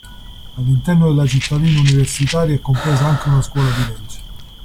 All'interno della cittadina universitaria è compresa anche una Scuola di Legge.